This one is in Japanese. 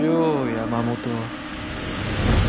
山本